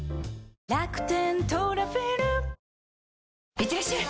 いってらっしゃい！